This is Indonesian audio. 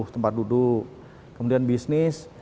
tempat duduk kemudian bisnis